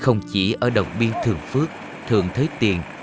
không chỉ ở đồng biên thường phước thường thới tiền